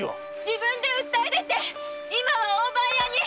自分で訴え出て今は大番屋に。